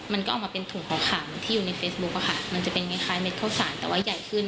มันก็เอามาเป็นถุงของขังที่อยู่ในเฟซบุ๊กอะค่ะมันจะเป็นคล้ายเม็ดข้าวสารแต่ว่าใหญ่ขึ้น